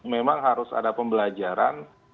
memang harus ada pembelajaran